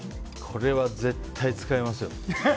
これは絶対に使いますよ。